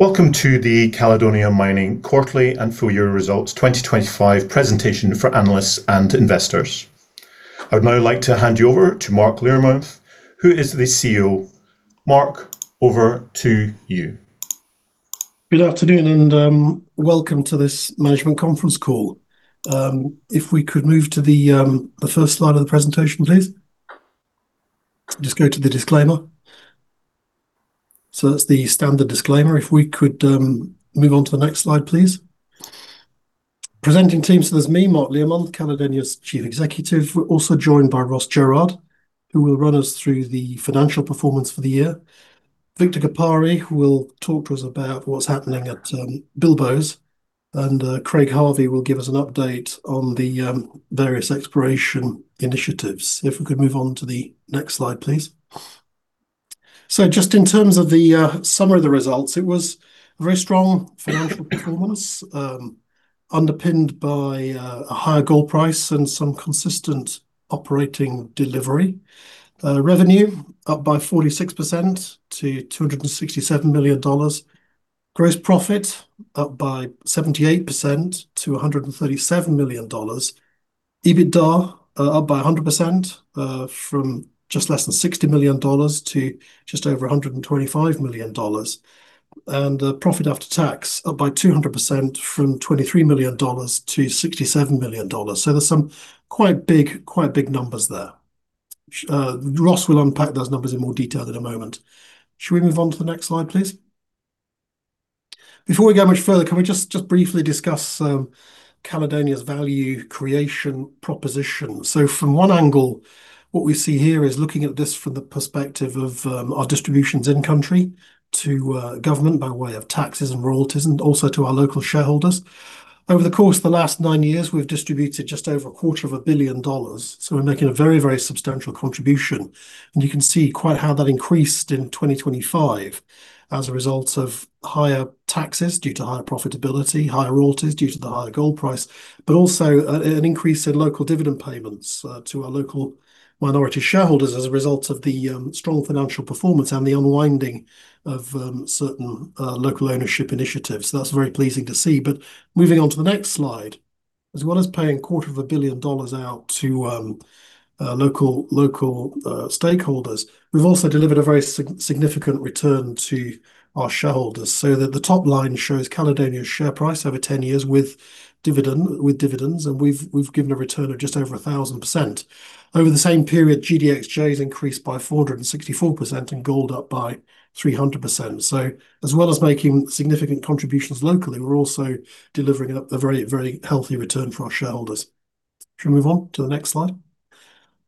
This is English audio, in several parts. Welcome to the Caledonia Mining quarterly and full-year results 2025 presentation for analysts and investors. I would now like to hand you over to Mark Learmonth, who is the CEO. Mark, over to you. Good afternoon and welcome to this management conference call. If we could move to the first slide of the presentation, please. Just go to the disclaimer. That's the standard disclaimer. If we could move on to the next slide, please. Presenting team. There's me, Mark Learmonth, Caledonia's Chief Executive. We're also joined by Ross Jerrard, who will run us through the financial performance for the year. Victor Gapare, who will talk to us about what's happening at Bilboes. And Craig Harvey will give us an update on the various exploration initiatives. If we could move on to the next slide, please. Just in terms of the summary of the results, it was very strong financial performance, underpinned by a higher gold price and some consistent operating delivery. Revenue up by 46% to $267 million. Gross profit up by 78% to $137 million. EBITDA up by 100% from just less than $60 million to just over $125 million. Profit after tax up by 200% from $23 million to $67 million. There's some quite big numbers there. Ross will unpack those numbers in more detail in a moment. Should we move on to the next slide, please? Before we go much further, can we briefly discuss Caledonia's value creation proposition? From one angle, what we see here is looking at this from the perspective of our distributions in country to government by way of taxes and royalties, and also to our local shareholders. Over the course of the last nine years, we've distributed just over a quarter of a billion dollars. We're making a very, very substantial contribution. You can see quite how that increased in 2025 as a result of higher taxes due to higher profitability, higher royalties due to the higher gold price, but also an increase in local dividend payments to our local minority shareholders as a result of the strong financial performance and the unwinding of certain local ownership initiatives. That's very pleasing to see. Moving on to the next slide. As well as paying a quarter of a billion dollars out to local stakeholders, we've also delivered a very significant return to our shareholders. The top line shows Caledonia's share price over 10 years with dividends, and we've given a return of just over 1,000%. Over the same period, GDXJ has increased by 464% and gold up by 300%. As well as making significant contributions locally, we're also delivering a very healthy return for our shareholders. Should we move on to the next slide?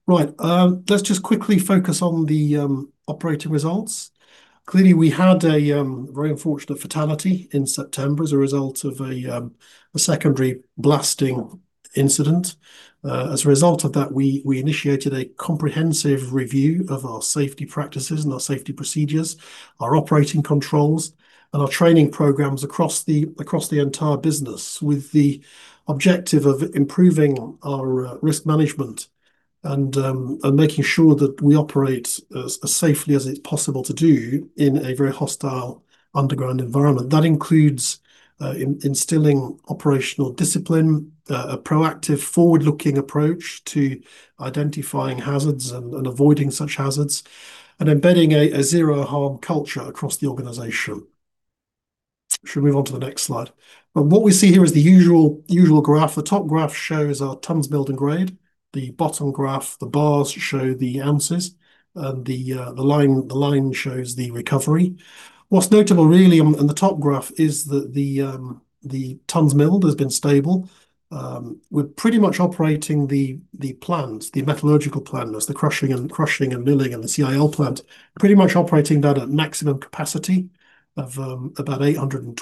Right. Let's just quickly focus on the operating results. Clearly, we had a very unfortunate fatality in September as a result of a secondary blasting incident. As a result of that, we initiated a comprehensive review of our safety practices and our safety procedures, our operating controls, and our training programs across the entire business, with the objective of improving our risk management and making sure that we operate as safely as it's possible to do in a very hostile underground environment. That includes instilling operational discipline, a proactive forward-looking approach to identifying hazards and avoiding such hazards, and embedding a zero harm culture across the organization. Should we move on to the next slide? What we see here is the usual graph. The top graph shows our tons milled and grade. The bottom graph, the bars show the ounces, and the line shows the recovery. What's notable really on the top graph is that the tonnes milled has been stable. We're pretty much operating the plant, the metallurgical plant as the crushing and milling and the CIL plant, pretty much operating that at maximum capacity of about 820,000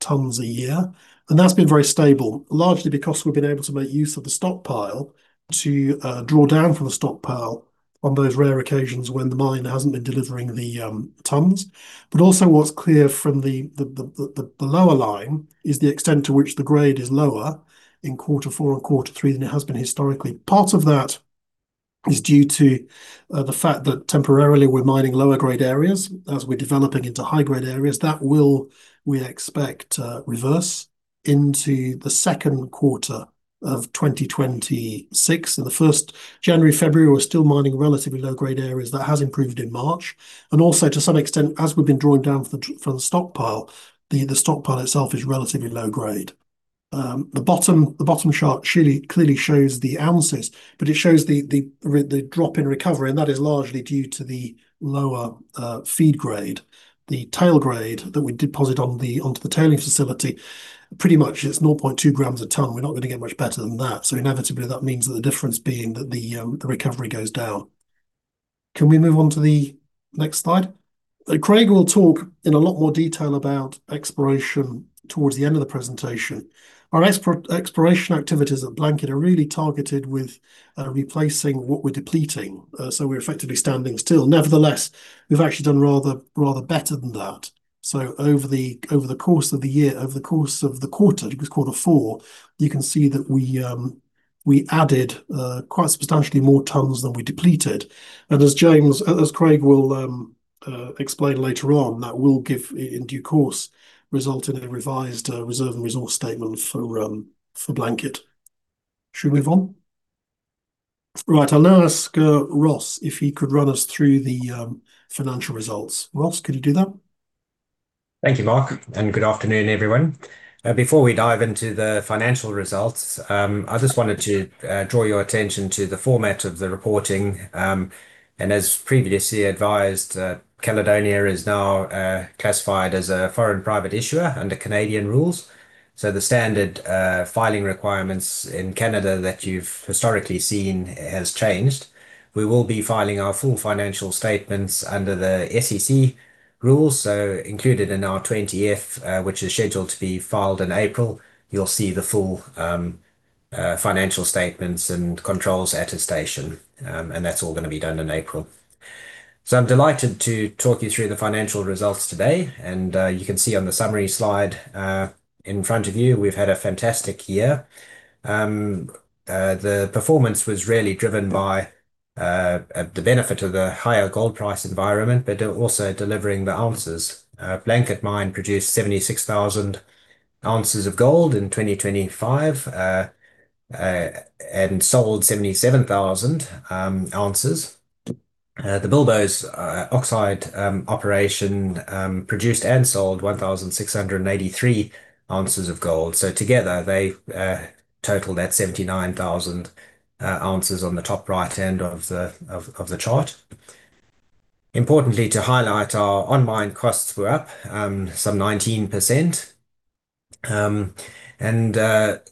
tonnes a year. That's been very stable, largely because we've been able to make use of the stockpile to draw down from the stockpile on those rare occasions when the mine hasn't been delivering the tonnes. Also what's clear from the lower line is the extent to which the grade is lower in quarter four and quarter three than it has been historically. Part of that is due to the fact that temporarily we're mining lower grade areas. As we're developing into high grade areas, that will, we expect, reverse into the second quarter of 2026. In the first January, February, we're still mining relatively low grade areas. That has improved in March. Also to some extent, as we've been drawing down from the stockpile, the stockpile itself is relatively low grade. The bottom chart clearly shows the ounces, but it shows the drop in recovery, and that is largely due to the lower feed grade. The tail grade that we deposit onto the tailings facility, pretty much it's 0.2 g a ton. We're not gonna get much better than that. Inevitably, that means that the recovery goes down. Can we move on to the next slide? Craig will talk in a lot more detail about exploration towards the end of the presentation. Our exploration activities at Blanket are really targeted with replacing what we're depleting. We're effectively standing still. Nevertheless, we've actually done rather better than that. Over the course of the year, over the course of quarter four, you can see that we added quite substantially more tons than we depleted. As James, as Craig will explain later on, that will, in due course, result in a revised reserve and resource statement for Blanket. Shall we move on? Right. I'll now ask Ross if he could run us through the financial results. Ross, could you do that? Thank you, Mark, and good afternoon, everyone. Before we dive into the financial results, I just wanted to draw your attention to the format of the reporting. As previously advised, Caledonia is now classified as a foreign private issuer under Canadian rules. The standard filing requirements in Canada that you've historically seen has changed. We will be filing our full financial statements under the SEC rules, so included in our 20F, which is scheduled to be filed in April, you'll see the full financial statements and controls attestation. That's all gonna be done in April. I'm delighted to talk you through the financial results today and, you can see on the summary slide in front of you, we've had a fantastic year. The performance was really driven by the benefit of the higher gold price environment, but also delivering the ounces. Blanket Mine produced 76,000 oz of gold in 2025 and sold 77,000 oz. The Bilboes oxide operation produced and sold 1,683 oz of gold. So together they totaled at 79,000 oz on the top right hand of the chart. Importantly, to highlight our on-mine costs were up some 19%. The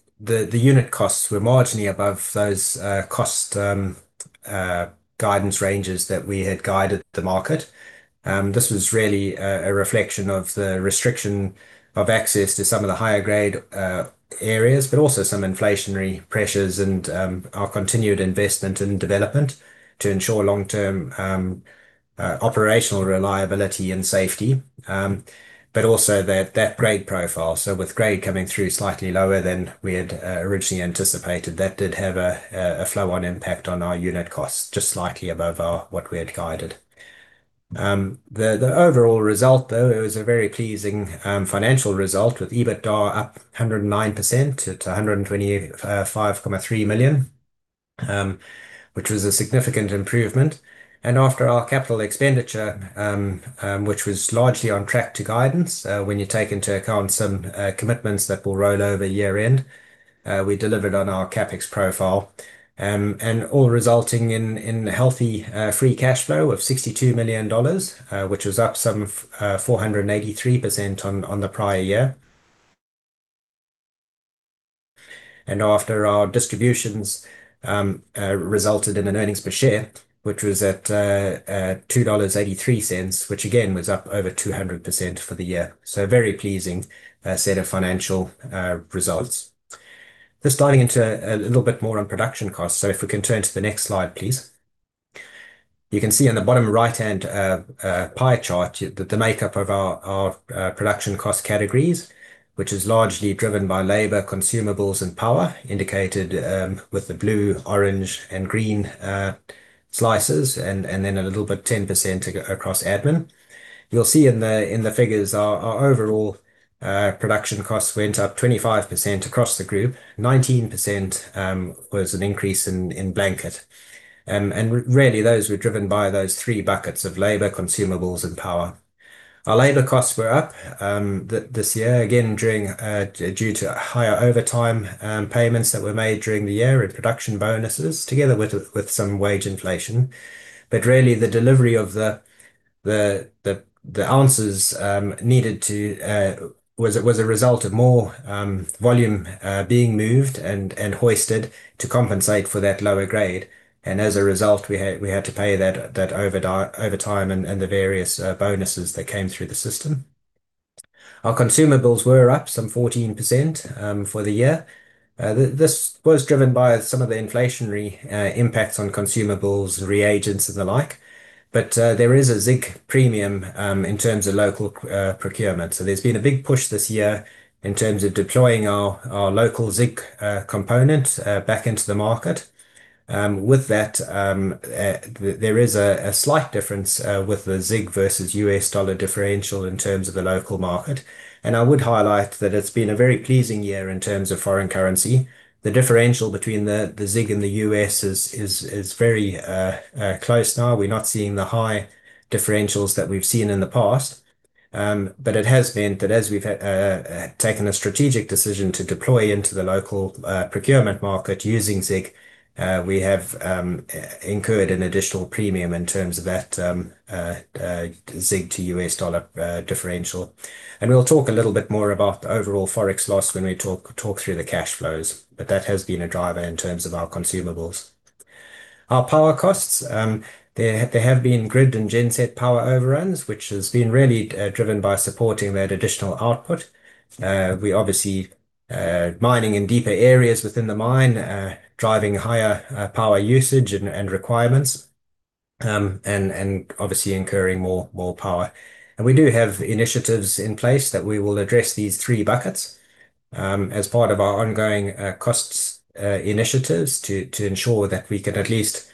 unit costs were marginally above those cost guidance ranges that we had guided the market. This was really a reflection of the restriction of access to some of the higher grade areas, but also some inflationary pressures and our continued investment in development to ensure long-term operational reliability and safety, but also that grade profile. With grade coming through slightly lower than we had originally anticipated, that did have a flow-on impact on our unit costs, just slightly above what we had guided. The overall result though it was a very pleasing financial result with EBITDA up 109% to $125.3 million, which was a significant improvement. After our capital expenditure, which was largely on track to guidance, when you take into account some commitments that will roll over year-end, we delivered on our CapEx profile. All resulting in healthy free cash flow of $62 million, which was up some 483% on the prior year. After our distributions resulted in an earnings per share, which was at $2.83, which again was up over 200% for the year. A very pleasing set of financial results. Just diving into a little bit more on production costs, if we can turn to the next slide, please. You can see on the bottom right-hand pie chart the makeup of our production cost categories, which is largely driven by labor, consumables, and power, indicated with the blue, orange, and green slices, and then a little bit, 10% across admin. You'll see in the figures our overall production costs went up 25% across the group. 19% was an increase in Blanket. Really those were driven by those three buckets of labor, consumables, and power. Our labor costs were up this year again due to higher overtime payments that were made during the year and production bonuses together with some wage inflation. Really the delivery of the ounces needed to was a result of more volume being moved and hoisted to compensate for that lower grade. As a result, we had to pay that overtime and the various bonuses that came through the system. Our consumables were up some 14% for the year. This was driven by some of the inflationary impacts on consumables, reagents, and the like. There is a ZIG premium in terms of local procurement. There's been a big push this year in terms of deploying our local ZIG component back into the market. With that, there is a slight difference with the ZIG versus U.S. dollar differential in terms of the local market. I would highlight that it's been a very pleasing year in terms of foreign currency. The differential between the ZIG and the U.S. is very close now. We're not seeing the high differentials that we've seen in the past. But it has meant that as we've taken a strategic decision to deploy into the local procurement market using ZIG, we have incurred an additional premium in terms of that ZIG to U.S. dollar differential. We'll talk a little bit more about the overall Forex loss when we talk through the cash flows. That has been a driver in terms of our consumables. Our power costs, there have been grid and genset power overruns, which has been really driven by supporting that additional output. We're obviously mining in deeper areas within the mine, driving higher power usage and requirements, and obviously incurring more power. We do have initiatives in place that we will address these three buckets as part of our ongoing costs initiatives to ensure that we can at least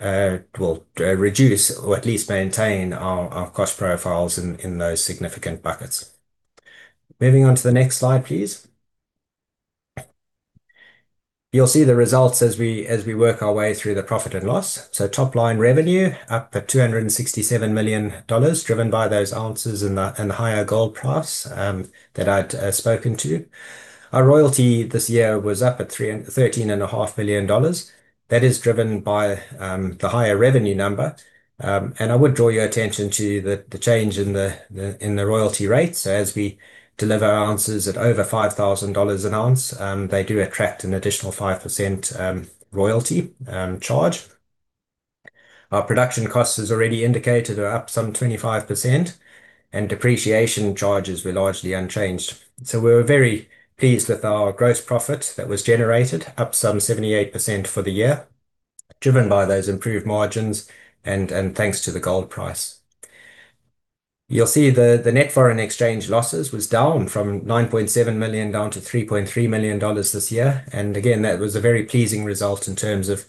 well reduce or at least maintain our cost profiles in those significant buckets. Moving on to the next slide, please. You'll see the results as we work our way through the profit and loss. Top line revenue up at $267 million driven by those ounces and the higher gold price that I'd spoken to. Our royalty this year was up at $13.5 million. That is driven by the higher revenue number. I would draw your attention to the change in the royalty rate. As we deliver ounces at over $5,000 an oz, they do attract an additional 5% royalty charge. Our production costs, as already indicated, are up some 25%, and depreciation charges were largely unchanged. We're very pleased with our gross profit that was generated, up some 78% for the year, driven by those improved margins and thanks to the gold price. You'll see the net foreign exchange losses was down from $9.7 million down to $3.3 million this year. That was a very pleasing result in terms of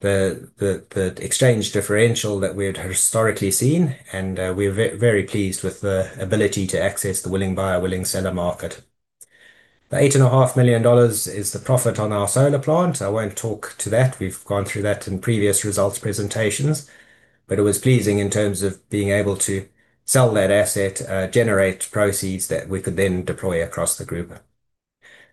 the exchange differential that we had historically seen, and we're very pleased with the ability to access the willing buyer, willing seller market. The $8.5 million is the profit on our solar plant. I won't talk to that. We've gone through that in previous results presentations, but it was pleasing in terms of being able to sell that asset, generate proceeds that we could then deploy across the group.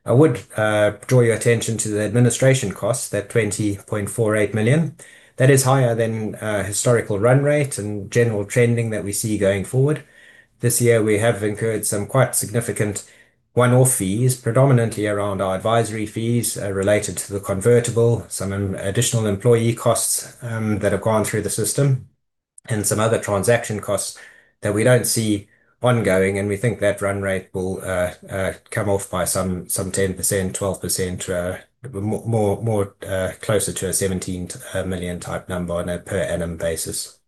I would draw your attention to the administration costs, that $20.48 million. That is higher than historical run rate and general trending that we see going forward. This year we have incurred some quite significant one-off fees, predominantly around our advisory fees, related to the convertible, some additional employee costs that have gone through the system, and some other transaction costs that we don't see ongoing, and we think that run rate will come off by some 10%, 12% to more closer to a $17 million type number on a per annum basis.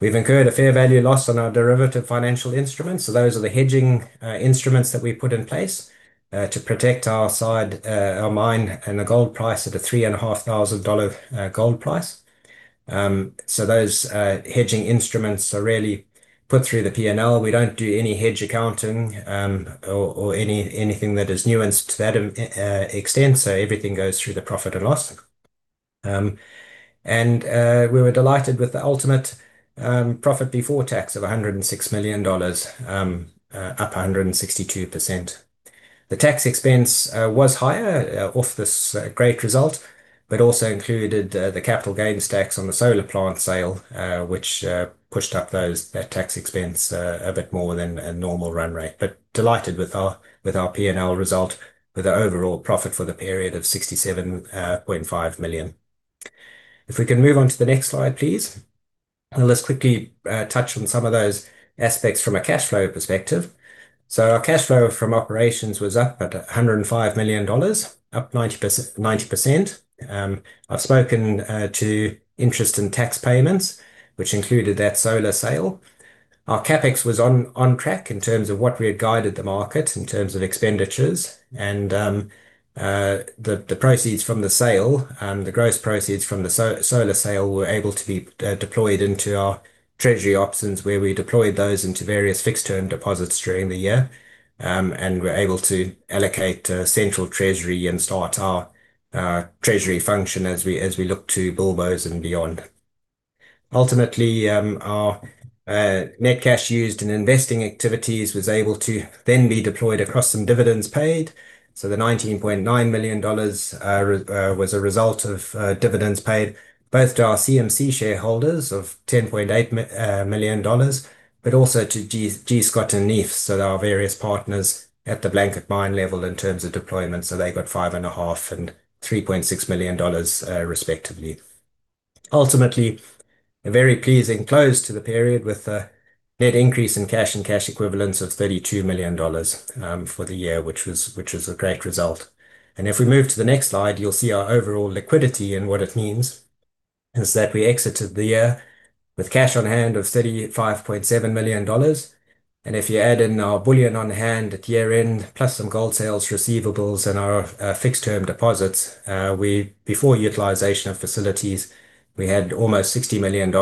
We've incurred a fair value loss on our derivative financial instruments. Those are the hedging instruments that we put in place to protect our site, our mine and the gold price at a $3,500 gold price. Those hedging instruments are really put through the P&L. We don't do any hedge accounting, or anything that is nuanced to that extent, so everything goes through the profit and loss. We were delighted with the ultimate profit before tax of $106 million, up 162%. The tax expense was higher off this great result, but also included the capital gains tax on the solar plant sale, which pushed up that tax expense a bit more than a normal run rate. Delighted with our P&L result with an overall profit for the period of $67.5 million. If we can move on to the next slide, please. Let's quickly touch on some of those aspects from a cash flow perspective. Our cash flow from operations was up at $105 million, up 90%. I've spoken to interest and tax payments, which included that solar sale. Our CapEx was on track in terms of what we had guided the market in terms of expenditures. The proceeds from the sale, the gross proceeds from the solar sale were able to be deployed into our treasury operations, where we deployed those into various fixed-term deposits during the year. We're able to allocate central treasury and start our treasury function as we look to Bilboes and beyond. Ultimately, our net cash used in investing activities was able to then be deployed across some dividends paid. The $19.9 million was a result of dividends paid both to our CMC shareholders of $10.8 million, but also to G. Scott and NIEEF, our various partners at the Blanket Mine level in terms of deployment. They got $5.5 million and $3.6 million, respectively. Ultimately, a very pleasing close to the period with a net increase in cash and cash equivalents of $32 million for the year, which was a great result. If we move to the next slide, you'll see our overall liquidity and what it means is that we exited the year with cash on hand of $35.7 million. If you add in our bullion on hand at year-end, plus some gold sales receivables and our fixed-term deposits, before utilization of facilities, we had almost $60 million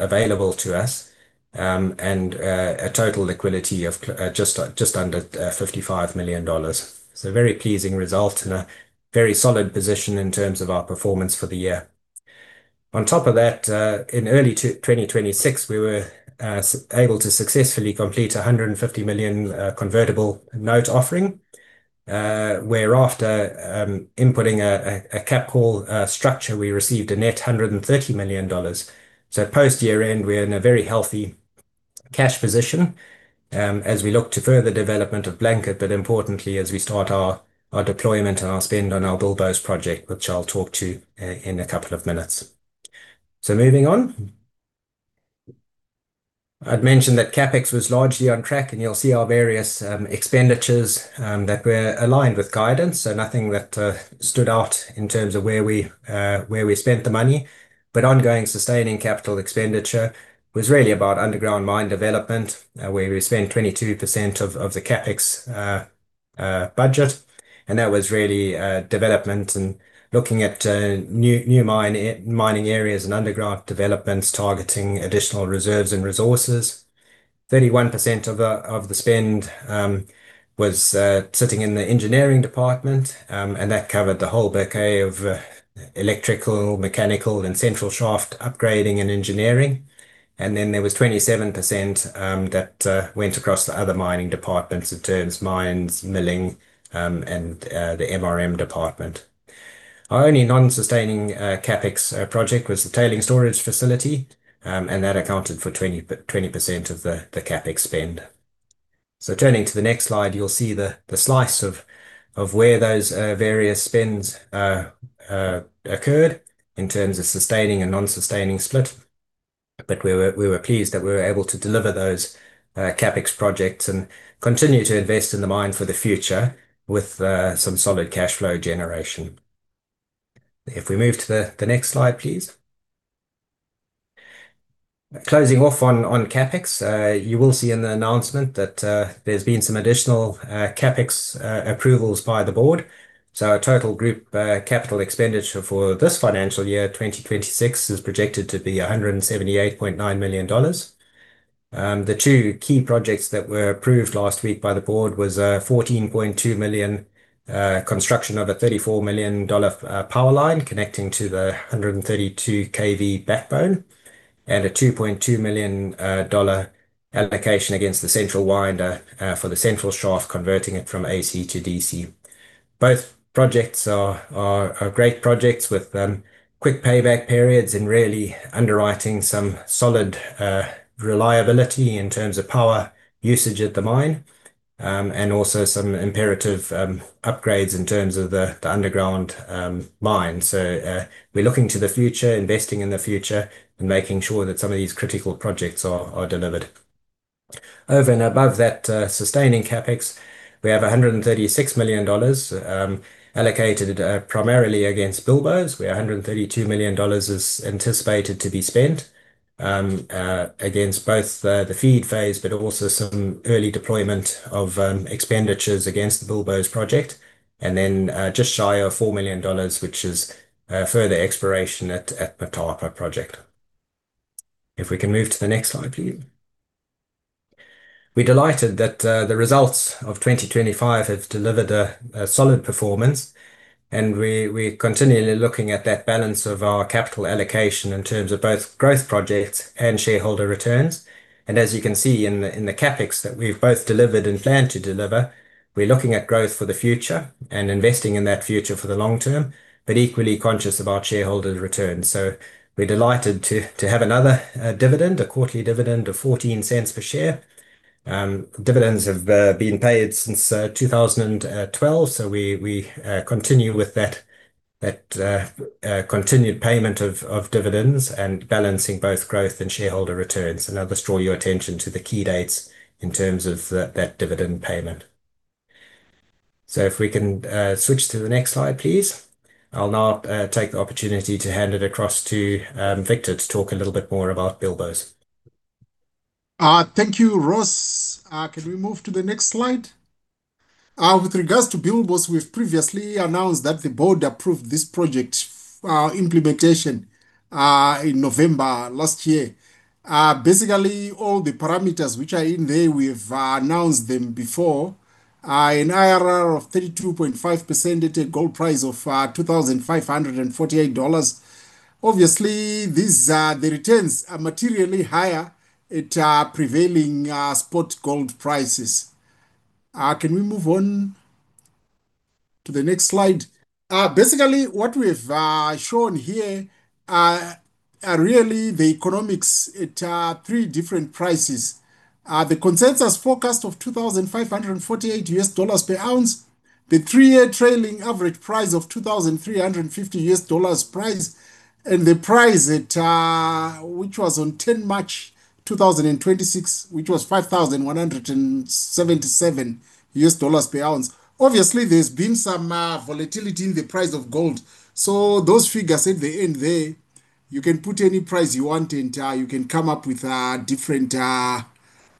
available to us, and a total liquidity of just under $55 million. Very pleasing result and a very solid position in terms of our performance for the year. On top of that, in early 2026, we were able to successfully complete a $150 million convertible note offering, whereafter, implementing a capped call structure, we received a net $130 million. Post-year-end, we're in a very healthy cash position, as we look to further development of Blanket, but importantly as we start our deployment and our spend on our Bilboes project, which I'll talk to in a couple of minutes. Moving on. I'd mentioned that CapEx was largely on track, and you'll see our various expenditures that were aligned with guidance. Nothing that stood out in terms of where we spent the money. Ongoing sustaining capital expenditure was really about underground mine development, where we spent 22% of the CapEx budget. That was really development and looking at new mining areas and underground developments targeting additional reserves and resources. 31% of the spend was sitting in the engineering department. That covered the whole bouquet of electrical, mechanical, and central shaft upgrading and engineering. Then there was 27% that went across the other mining departments in terms of mines, milling, and the MRM department. Our only non-sustaining CapEx project was the tailings storage facility, and that accounted for 20% of the CapEx spend. Turning to the next slide, you'll see the slice of where those various spends occurred in terms of sustaining and non-sustaining split. We were pleased that we were able to deliver those CapEx projects and continue to invest in the mine for the future with some solid cash flow generation. If we move to the next slide, please. Closing off on CapEx. You will see in the announcement that there's been some additional CapEx approvals by the board. Our total group capital expenditure for this financial year, 2026, is projected to be $178.9 million. The two key projects that were approved last week by the board was a $14.2 million construction of a $34 million power line connecting to the 132kV backbone and a $2.2 million dollar allocation against the central winder for the central shaft, converting it from AC to DC. Both projects are great projects with quick payback periods and really underwriting some solid reliability in terms of power usage at the mine. Also some imperative upgrades in terms of the underground mine. We're looking to the future, investing in the future, and making sure that some of these critical projects are delivered. Over and above that, sustaining CapEx, we have $136 million allocated, primarily against Bilboes, where $132 million is anticipated to be spent against both the feed phase, but also some early deployment of expenditures against the Bilboes project. Then, just shy of $4 million, which is further exploration at Motapa project. If we can move to the next slide, please. We're delighted that the results of 2025 have delivered a solid performance, and we're continually looking at that balance of our capital allocation in terms of both growth projects and shareholder returns. As you can see in the CapEx that we've both delivered and plan to deliver, we're looking at growth for the future and investing in that future for the long term, but equally conscious of our shareholder returns. We're delighted to have another dividend, a quarterly dividend of $0.14 per share. Dividends have been paid since 2012. We continue with that continued payment of dividends and balancing both growth and shareholder returns. I'll just draw your attention to the key dates in terms of that dividend payment. If we can switch to the next slide, please. I'll now take the opportunity to hand it across to Victor to talk a little bit more about Bilboes. Thank you, Ross. Could we move to the next slide? With regards to Bilboes, we've previously announced that the board approved this project implementation in November last year. Basically, all the parameters which are in there, we've announced them before. An IRR of 32.5% at a gold price of $2,548. Obviously, these, the returns are materially higher at prevailing spot gold prices. Can we move on to the next slide? Basically what we've shown here are really the economics at three different prices. The consensus forecast of $2,548 per ounce, the three-year trailing average price of $2,350 price, and the price at which was on 10th March 2026, which was $5,177 per ounce. Obviously, there's been some volatility in the price of gold. Those figures at the end there, you can put any price you want and you can come up with different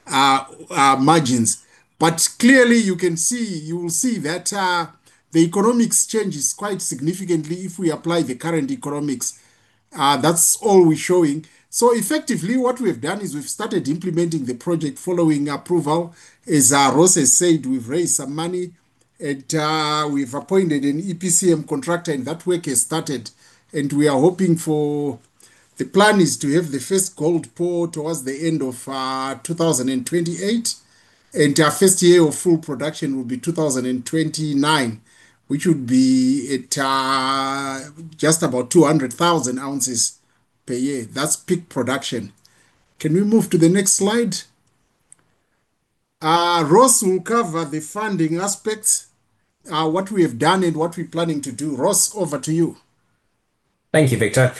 margins. Clearly you will see that the economics changes quite significantly if we apply the current economics. That's all we're showing. Effectively what we've done is we've started implementing the project following approval. As Ross has said, we've appointed an EPCM contractor, and that work has started. The plan is to have the first gold pour towards the end of 2028. Our first year of full production will be 2029, which would be at just about 200,000 oz per year. That's peak production. Can we move to the next slide? Ross will cover the funding aspects, what we have done and what we're planning to do. Ross, over to you. Thank you, Victor.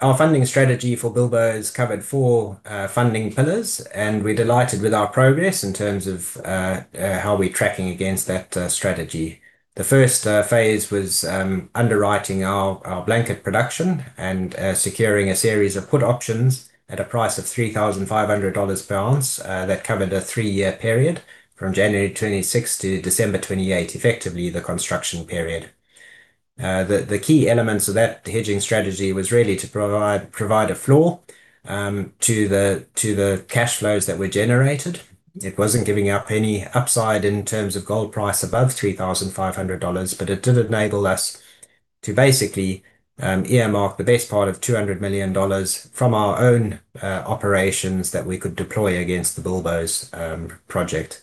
Our funding strategy for Bilboes is covered four funding pillars, and we're delighted with our progress in terms of how we're tracking against that strategy. The first phase was underwriting our Blanket production and securing a series of put options at a price of $3,500 per oz that covered a three-year period from January 2026 to December 2028, effectively the construction period. The key elements of that hedging strategy was really to provide a floor to the cash flows that were generated. It wasn't giving up any upside in terms of gold price above $3,500, but it did enable us to basically earmark the best part of $200 million from our own operations that we could deploy against the Bilboes project.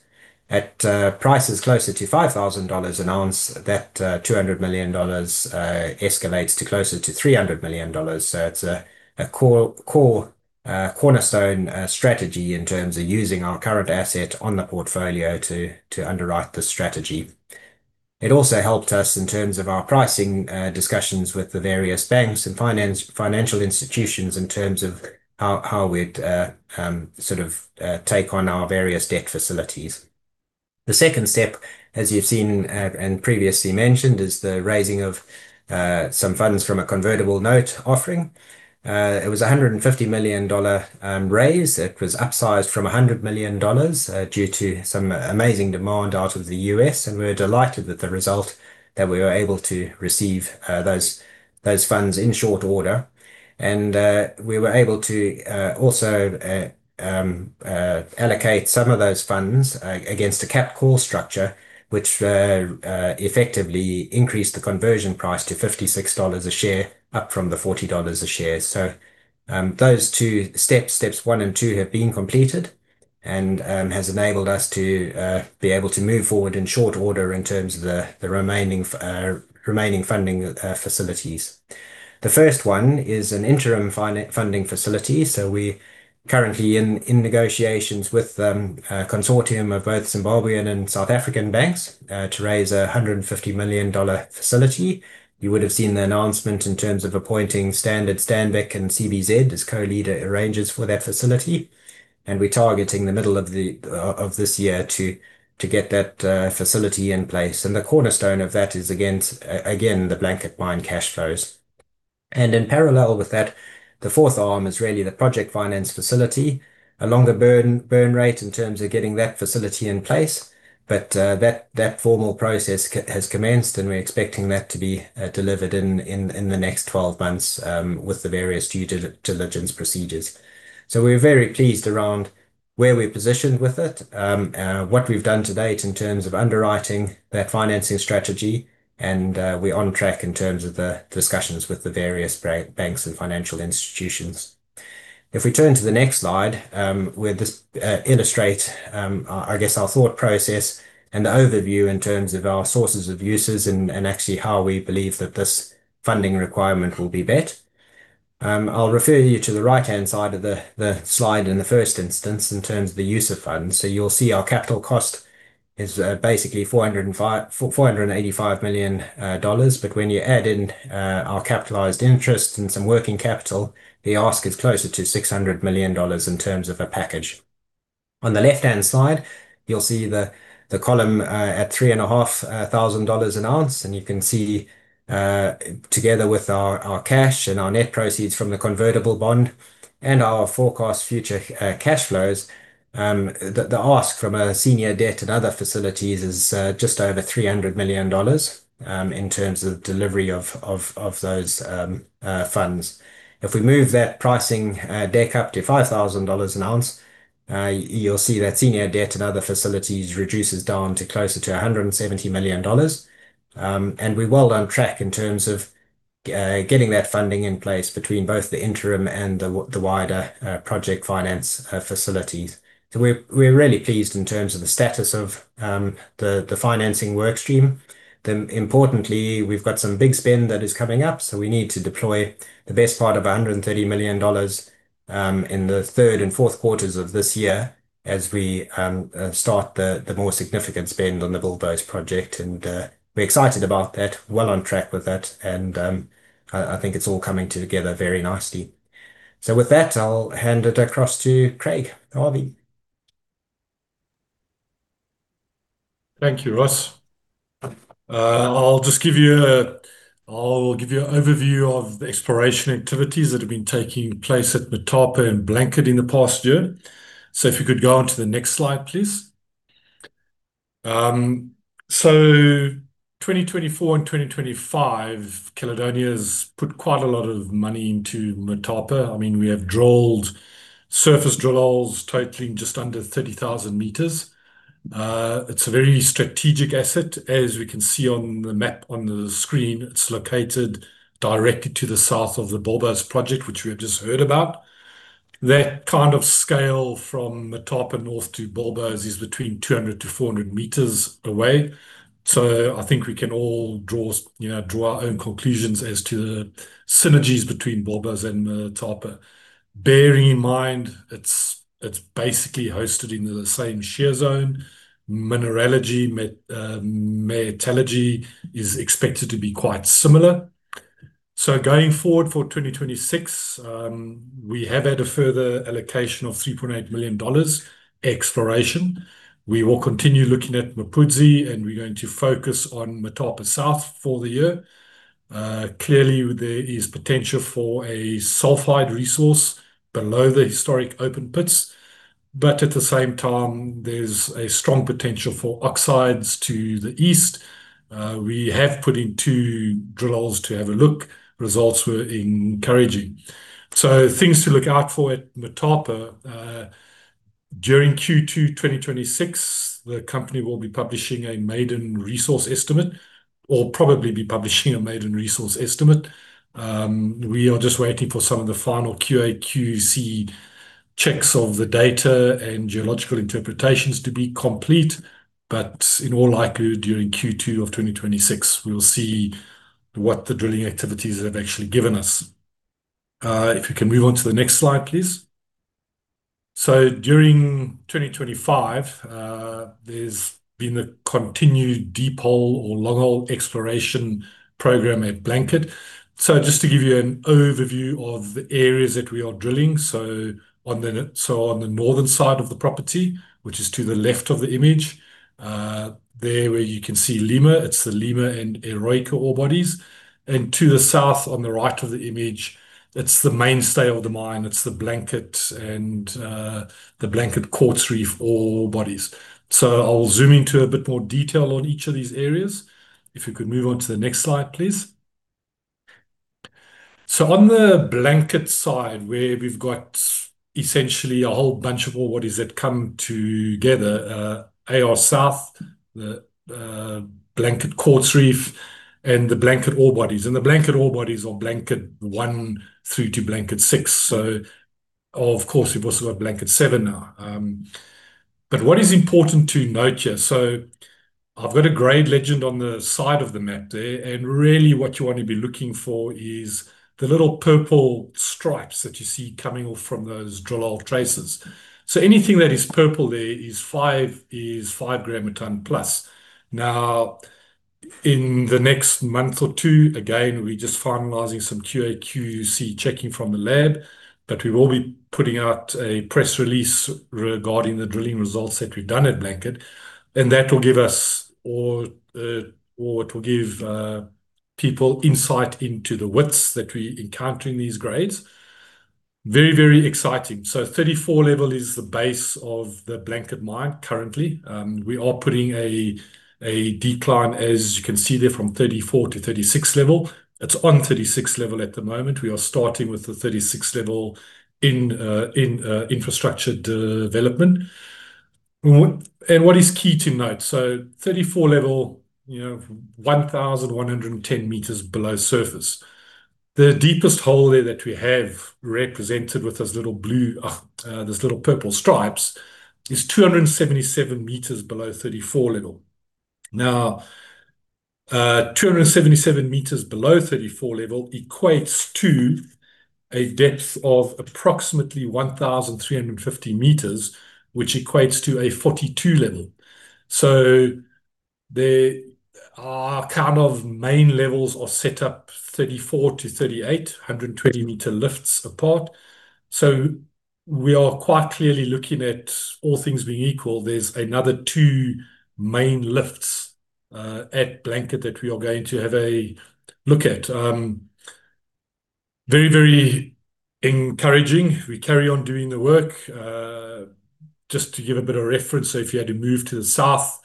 At prices closer to $5,000 an oz, that $200 million escalates to closer to $300 million. It's a core cornerstone strategy in terms of using our current asset on the portfolio to underwrite the strategy. It also helped us in terms of our pricing discussions with the various banks and financial institutions in terms of how we'd sort of take on our various debt facilities. The second step, as you've seen, and previously mentioned, is the raising of, some funds from a convertible note offering. It was a $150 million raise. It was upsized from $100 million, due to some amazing demand out of the U.S., and we're delighted with the result that we were able to receive, those funds in short order. We were able to also allocate some of those funds against a capped call structure which, effectively increased the conversion price to $56 a share, up from the $40 a share. Those two steps, one and two, have been completed and, has enabled us to be able to move forward in short order in terms of the remaining funding facilities. The first one is an interim financing facility, so we're currently in negotiations with a consortium of both Zimbabwean and South African banks to raise $150 million facility. You would have seen the announcement in terms of appointing Standard Bank and CBZ as co-lead arrangers for that facility, and we're targeting the middle of this year to get that facility in place. The cornerstone of that is against, again, the Blanket mine cash flows. In parallel with that, the fourth arm is really the project finance facility. A longer burn rate in terms of getting that facility in place. That formal process has commenced, and we're expecting that to be delivered in the next 12 months with the various due diligence procedures. We're very pleased around where we're positioned with it, what we've done to date in terms of underwriting that financing strategy, and we're on track in terms of the discussions with the various banks and financial institutions. If we turn to the next slide, we'll just illustrate our, I guess, our thought process and the overview in terms of our sources and uses and actually how we believe that this funding requirement will be met. I'll refer you to the right-hand side of the slide in the first instance in terms of the use of funds. You'll see our capital cost is basically $485 million. When you add in our capitalized interest and some working capital, the ask is closer to $600 million in terms of a package. On the left-hand side, you'll see the column at $3,500 an oz, and you can see together with our cash and our net proceeds from the convertible bond and our forecast future cash flows, the ask from a senior debt and other facilities is just over $300 million in terms of delivery of those funds. If we move that pricing deck up to $5,000 an oz, you'll see that senior debt and other facilities reduces down to closer to $170 million. We're well on track in terms of getting that funding in place between both the interim and the wider project finance facilities. We're really pleased in terms of the status of the financing work stream. Importantly, we've got some big spend that is coming up, so we need to deploy the best part of $130 million in the third and fourth quarters of this year as we start the more significant spend on the Bilboes project. We're excited about that, well on track with that, and I think it's all coming together very nicely. With that, I'll hand it across to Craig Harvey. Thank you, Ross. I'll just give you an overview of the exploration activities that have been taking place at Motapa and Blanket in the past year. If you could go on to the next slide, please. 2024 and 2025, Caledonia's put quite a lot of money into Motapa. I mean, we have drilled surface drill holes totaling just under 30,000 m. It's a very strategic asset. As we can see on the map on the screen, it's located directly to the south of the Bilboes project, which we have just heard about. That kind of scale from Motapa North to Bilboes is between 200 m-400 m away. I think we can all draw, you know, our own conclusions as to the synergies between Bilboes and Motapa. Bearing in mind, it's basically hosted in the same shear zone. Mineralogy, metallurgy is expected to be quite similar. Going forward for 2026, we have had a further allocation of $3.8 million exploration. We will continue looking at Mapudzi, and we're going to focus on Motapa South for the year. Clearly there is potential for a sulfide resource below the historic open pits, but at the same time, there's a strong potential for oxides to the east. We have put in two drill holes to have a look. Results were encouraging. Things to look out for at Motapa, during Q2 2026, the company will be publishing a maiden resource estimate. We are just waiting for some of the final QA/QC checks of the data and geological interpretations to be complete. In all likelihood, during Q2 of 2026, we will see what the drilling activities have actually given us. If you can move on to the next slide, please. During 2025, there's been a continued deep hole or long hole exploration program at Blanket. Just to give you an overview of the areas that we are drilling. On the northern side of the property, which is to the left of the image, there where you can see Lima, it's the Lima and Eroica orebodies. To the south on the right of the image, it's the mainstay of the mine. It's the Blanket and, the Blanket Quartz Reef orebodies. I will zoom into a bit more detail on each of these areas. If you could move on to the next slide, please. On the Blanket side, where we've got essentially a whole bunch of orebodies that come together, AR South, the Blanket Quartz Reef, and the Blanket orebodies. The Blanket orebodies are Blanket One through to Blanket Six. Of course, we've also got Blanket Seven now. What is important to note here, so I've got a grade legend on the side of the map there, and really what you want to be looking for is the little purple stripes that you see coming off from those drill hole traces. Anything that is purple there is 5 g a ton plus. Now, in the next month or two, again, we're just finalizing some QA/QC checking from the lab, but we will be putting out a press release regarding the drilling results that we've done at Blanket, and that will give people insight into the widths that we encounter in these grades. Very, very exciting. 34 level is the base of the Blanket mine currently. We are putting a decline, as you can see there, from 34 to 36 level. It's on 36 level at the moment. We are starting with the 36 level in infrastructure development. What is key to note, 34 level, you know, 1,110 m below surface. The deepest hole there that we have represented with those little blue, those little purple stripes, is 277 m below 34 level. Now, 277 meters below 34 level equates to a depth of approximately 1,350 meters, which equates to a 42 level. Our kind of main levels are set up 34 to 38, 120 m lifts apart. We are quite clearly looking at all things being equal. There's another two main lifts at Blanket that we are going to have a look at. Very, very encouraging. We carry on doing the work. Just to give a bit of reference, if you had to move to the south,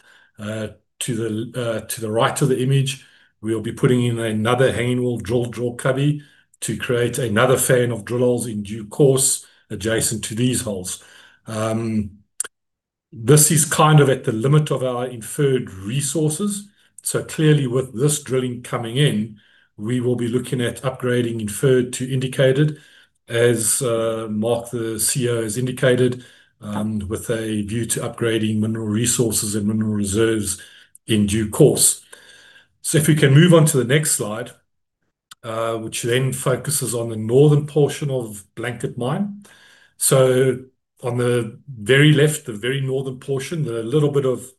to the right of the image, we'll be putting in another hanging wall drill cubby to create another fan of drill holes in due course adjacent to these holes. This is kind of at the limit of our inferred resources. Clearly, with this drilling coming in, we will be looking at upgrading inferred to indicated as Mark, the CEO, has indicated, with a view to upgrading mineral resources and mineral reserves in due course. If we can move on to the next slide, which then focuses on the northern portion of Blanket Mine. On the very left, the very northern portion, the little bit of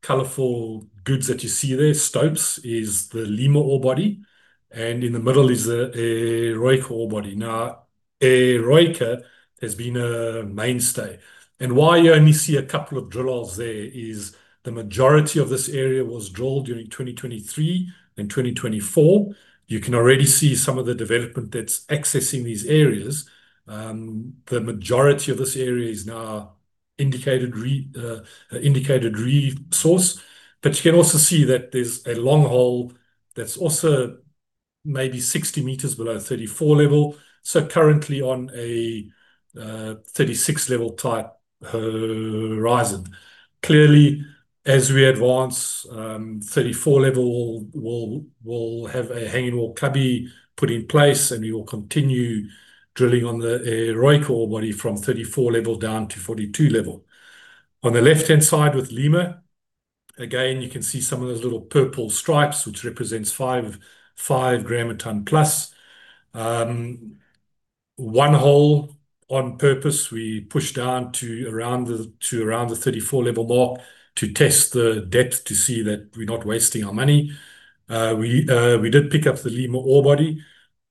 colorful goods that you see there, stopes is the Lima ore body, and in the middle is the Eroica ore body. Now, Eroica has been a mainstay. Why you only see a couple of drill holes there is the majority of this area was drilled during 2023 and 2024. You can already see some of the development that's accessing these areas. The majority of this area is now indicated resource. But you can also see that there's a long hole that's also maybe 60 m below 34 level. Currently on a 36 level type horizon. Clearly, as we advance, 34 level, we'll have a hanging wall cubby put in place, and we will continue drilling on the Eroica ore body from 34 level down to 42 level. On the left-hand side with Lima, again, you can see some of those little purple stripes, which represents 5 g a ton plus. One hole on purpose we pushed down to around the 34 level mark to test the depth to see that we're not wasting our money. We did pick up the Lima ore body,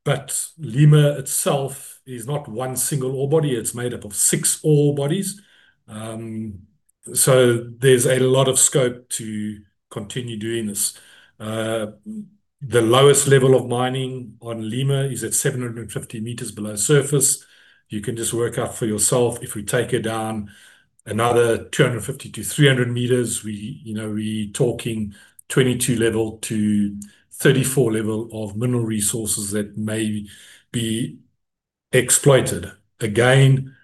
but Lima itself is not one single ore body. It's made up of six ore bodies. There's a lot of scope to continue doing this. The lowest level of mining on Lima is at 750 m below surface. You can just work out for yourself, if we take it down another 250 m-300 m, you know, we talking 22 level to 34 level of mineral resources that may be exploited. Again,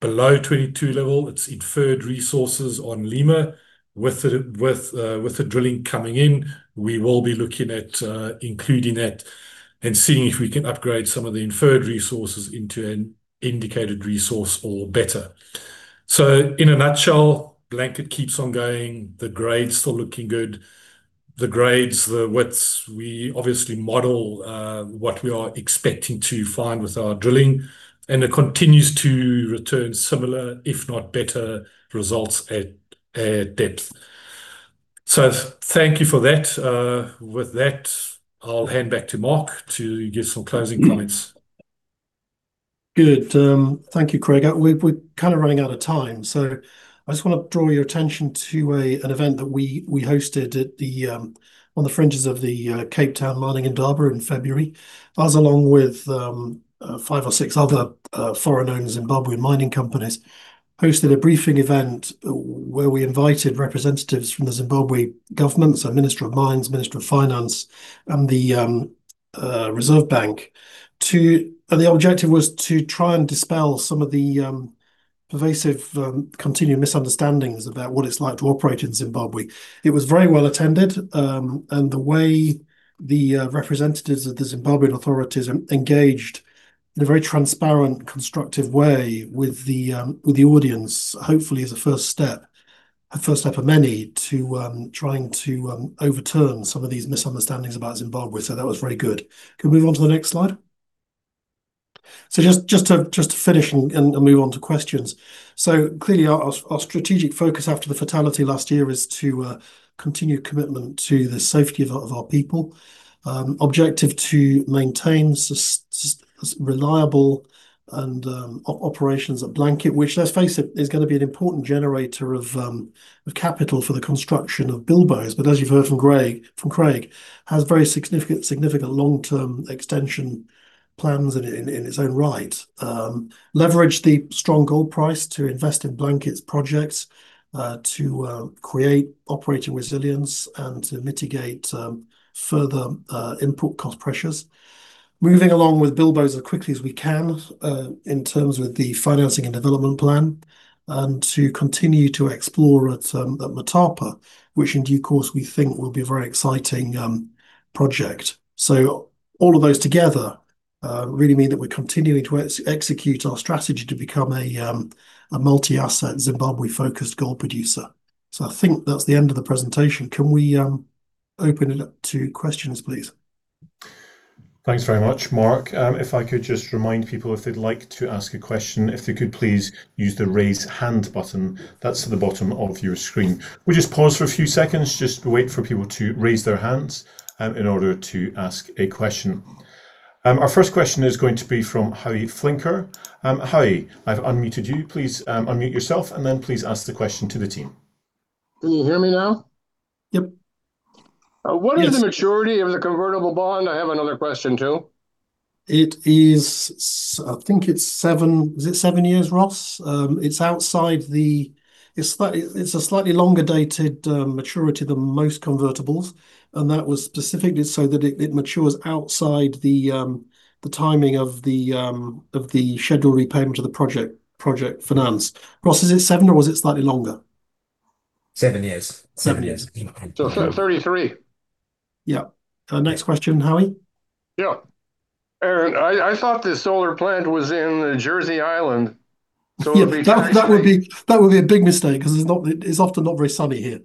below 22 level, it's inferred resources on Lima. With the drilling coming in, we will be looking at including it and seeing if we can upgrade some of the inferred resources into an indicated resource or better. In a nutshell, Blanket keeps on going. The grades still looking good. The grades, the widths, we obviously model what we are expecting to find with our drilling, and it continues to return similar, if not better, results at depth. Thank you for that. With that, I'll hand back to Mark to give some closing comments. Good. Thank you, Craig. We're kind of running out of time, so I just want to draw your attention to an event that we hosted on the fringes of the Cape Town Mining Indaba in February. Us, along with five or six other foreign-owned Zimbabwean mining companies, hosted a briefing event where we invited representatives from the Zimbabwe government, so Minister of Mines, Minister of Finance and the Reserve Bank. The objective was to try and dispel some of the pervasive continuing misunderstandings about what it's like to operate in Zimbabwe. It was very well-attended, and the way the representatives of the Zimbabwean authorities engaged in a very transparent, constructive way with the audience, hopefully is a first step of many to trying to overturn some of these misunderstandings about Zimbabwe. That was very good. Can we move on to the next slide? Just to finish and move on to questions. Clearly our strategic focus after the fatality last year is to continue commitment to the safety of our people. Objective to maintain reliable and operations at Blanket which, let's face it, is gonna be an important generator of capital for the construction of Bilboes. As you've heard from Craig, it has very significant long-term extension plans in its own right. Leverage the strong gold price to invest in Blanket's projects to create operating resilience and to mitigate further input cost pressures. Moving along with Bilboes as quickly as we can in terms of the financing and development plan, and to continue to explore at Motapa, which in due course we think will be a very exciting project. All of those together really mean that we're continuing to execute our strategy to become a multi-asset Zimbabwe-focused gold producer. I think that's the end of the presentation. Can we open it up to questions, please? Thanks very much, Mark. If I could just remind people if they'd like to ask a question, if they could please use the Raise Hand button that's at the bottom of your screen. We'll just pause for a few seconds, just wait for people to raise their hands, in order to ask a question. Our first question is going to be from Howie Flinker. Howie, I've unmuted you. Please, unmute yourself, and then please ask the question to the team. Can you hear me now? Yep. Uh, what is- Yes The maturity of the convertible bond? I have another question, too. It is, I think it's seven. Is it seven years, Ross? It's a slightly longer dated maturity than most convertibles. That was specifically so that it matures outside the timing of the scheduled repayment of the project finance. Ross, is it seven, or was it slightly longer? Seven years. Seven years. Yeah. Okay. 33. Yeah. Next question, Howie. Yeah. I thought the solar plant was in Jersey, so it would be tax-free. Yeah. That would be a big mistake because it's often not very sunny here.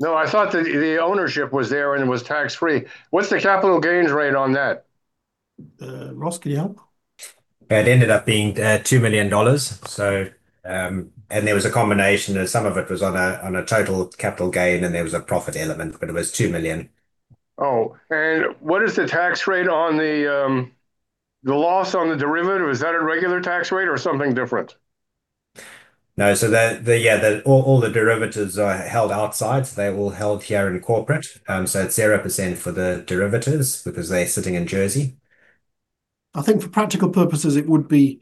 No, I thought the ownership was there and it was tax-free. What's the capital gains rate on that? Ross, could you help? It ended up being $2 million, so and there was a combination. Some of it was on a total capital gain, and there was a profit element, but it was $2 million. Oh. What is the tax rate on the loss on the derivative? Is that a regular tax rate or something different? No, all the derivatives are held outside. They're all held here in corporate. It's 0% for the derivatives because they're sitting in Jersey. I think for practical purposes, it would be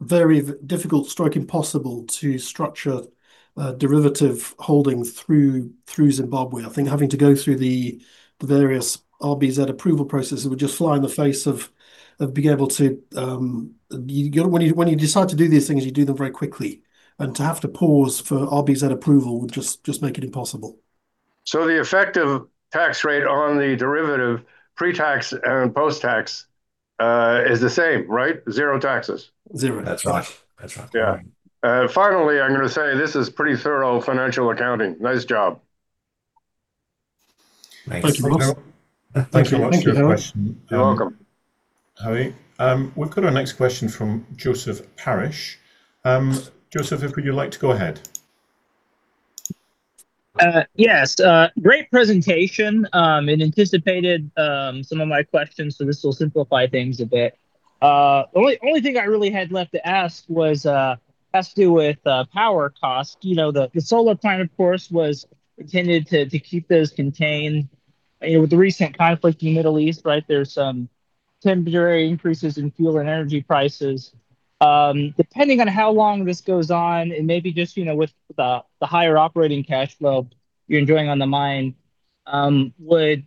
very difficult or impossible to structure a derivative holding through Zimbabwe. I think having to go through the various RBZ approval processes would just fly in the face of being able to. You gotta, when you decide to do these things, you do them very quickly, and to have to pause for RBZ approval would just make it impossible. The effective tax rate on the derivative pre-tax and post-tax is the same, right? Zero taxes. Zero. That's right. That's right. Yeah. Finally, I'm gonna say this is pretty thorough financial accounting. Nice job. Thanks. Thank you, Ross. Thank you. Thank you, Ross. Thank you very much for your question. You're welcome. Harry. We've got our next question from Joseph Parish. Joseph, would you like to go ahead? Yes. Great presentation. It anticipated some of my questions, so this will simplify things a bit. Only thing I really had left to ask was has to do with power cost. You know, the solar plant, of course, was intended to keep those contained. You know, with the recent conflict in Middle East, right, there's some temporary increases in fuel and energy prices. Depending on how long this goes on and maybe just, you know, with the higher operating cash flow you're enjoying on the mine, would